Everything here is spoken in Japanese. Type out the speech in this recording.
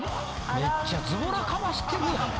めっちゃズボラかましてるやん。